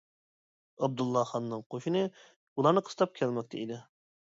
ئابدۇللا خاننىڭ قوشۇنى بۇلارنى قىستاپ كەلمەكتە ئىدى.